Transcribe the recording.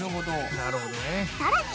なるほどね。